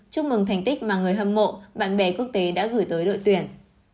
chúc mừng thành tích mà người hâm mộ bạn bè quốc tế đã gửi tới đội tuyển